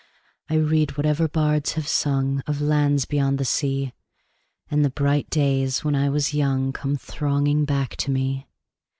I read whatever bards have sung Of lands beyond the sea, 10 And the bright days when I was young Come thronging back to me.